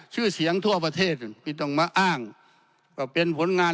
ชื่อเสียงทั่วประเทศที่ต้องมาอ้างว่าเป็นผลงาน